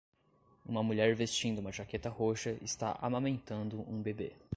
Uma mulher vestindo uma jaqueta roxa está amamentando um bebê.